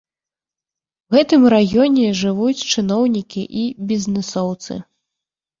У гэтым раёне жывуць чыноўнікі і бізнэсоўцы.